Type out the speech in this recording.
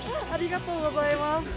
ありがとうございます。